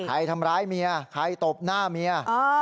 ใครทำร้ายเมียใครตบหน้าเมีย